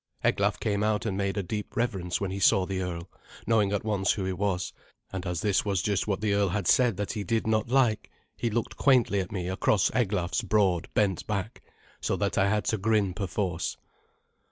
Eglaf came out and made a deep reverence when he saw the earl, knowing at once who he was, and as this was just what the earl had said that he did not like, he looked quaintly at me across Eglaf's broad bent back, so that I had to grin perforce.